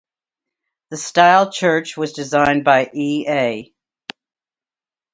The style church was designed by E. A.